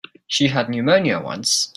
She had pneumonia once.